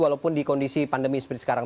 walaupun di kondisi pandemi seperti sekarang